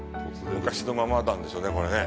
昔のままなんでしょうね、これね。